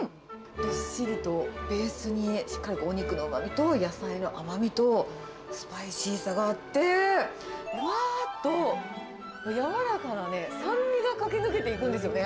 どっしりとベースにしっかりお肉のうまみと、野菜の甘みと、スパイシーさがあって、ふわーっと、柔らかな酸味が駆け抜けていくんですよね。